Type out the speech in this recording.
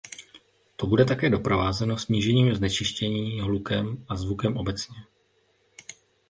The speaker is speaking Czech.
To bude také doprovázeno snížením znečištění hlukem a zvukem obecně.